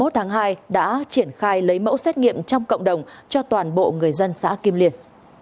hai mươi tháng hai đã triển khai lấy mẫu xét nghiệm trong cộng đồng cho toàn bộ người dân xã kim liên